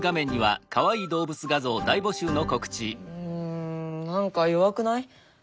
うん何か弱くない？